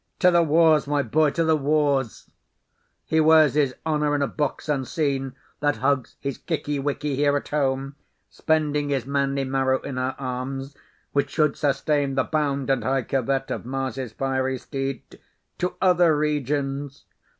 To th' wars, my boy, to th' wars! He wears his honour in a box unseen That hugs his kicky wicky here at home, Spending his manly marrow in her arms, Which should sustain the bound and high curvet Of Mars's fiery steed. To other regions!